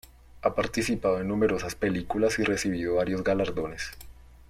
Ha participado en numerosas películas y recibido varios galardones.